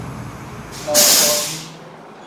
Nocovi.